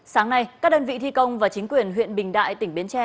sáng nay các đơn vị thi công và chính quyền huyện bình đại tỉnh bến tre